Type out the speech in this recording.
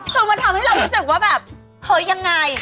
คือมันทำให้เรารู้สึกว่าแบบเฮ้ยยังไง